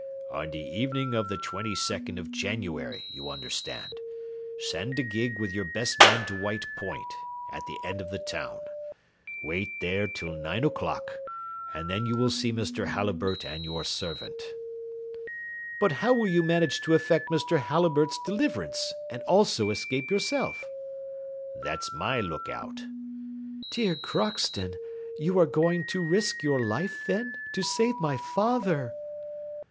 "On the evening of the 22nd of January, you understand, send a gig with your best men to White Point, at the end of the town; wait there till nine o'clock, and then you will see Mr. Halliburtt and your servant." "But how will you manage to effect Mr. Halliburtt's deliverance, and also escape yourself?" "That's my look out." "Dear Crockston, you are going to risk your life then, to save my father!"